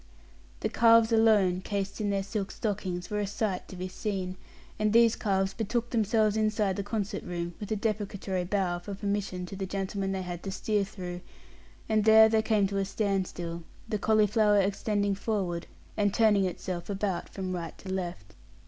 The calves alone, cased in their silk stockings, were a sight to be seen; and these calves betook themselves inside the concert room, with a deprecatory bow for permission to the gentlemen they had to steer through and there they came to a standstill, the cauliflower extending forward and turning itself about from right to left.